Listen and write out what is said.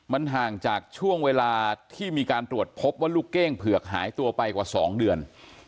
มันห่างจากช่วงเวลาที่มีการตรวจพบว่าลูกเก้งเผือกหายตัวไปกว่า๒เดือน